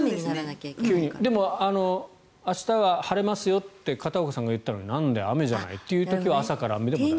でも、明日は晴れますって片岡さんが言ったのになんだよ雨じゃないかという時は朝から雨でもない。